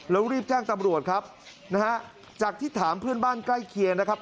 แล้วรีบแจ้งตำรวจครับนะฮะจากที่ถามเพื่อนบ้านใกล้เคียงนะครับ